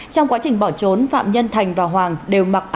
trong quá trình bỏ trốn phạm nhân thành và hoàng đều mặc áo